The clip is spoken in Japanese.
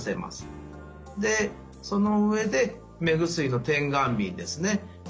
でその上で目薬の点眼瓶ですね